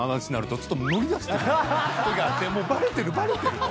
もうバレてるバレてる！